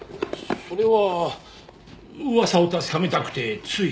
それは噂を確かめたくてつい。